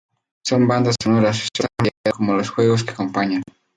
Sus bandas sonoras son tan variadas como los juegos que acompañan.